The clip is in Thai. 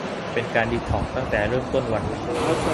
เป็นการดีท็อกซ์ตั้งแต่เริ่มต้นวัน